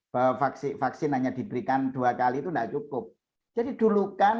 bahwa vaksin vaksin hanya diberikan dua kali itu tidak cukup jadi dulu kan